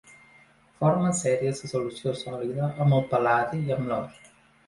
Forma sèries de solució sòlida amb el pal·ladi i amb l'or.